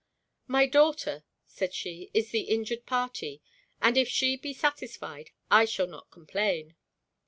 "My daughter," said she, "is the injured party; and if she be satisfied, I shall not complain."